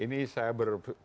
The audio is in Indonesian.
ini saya berpengalaman